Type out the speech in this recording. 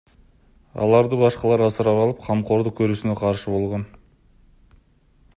Аларды башкалар асырап алып, камкордук көрүүсүнө каршы болгон.